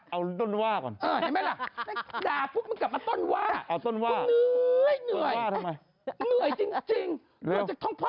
เอาต้นว่าเมื่อก่อน